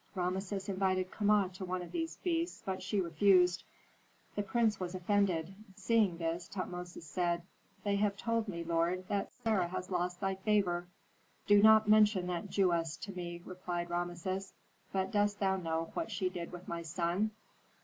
Rameses invited Kama to one of these feasts, but she refused. The prince was offended. Seeing this, Tutmosis said, "They have told me, lord, that Sarah has lost thy favor." "Do not mention that Jewess to me," replied Rameses. "But dost thou know what she did with my son?"